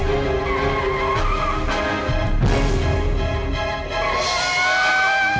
bapak bapak bapak